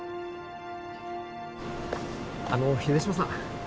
あの秀島さん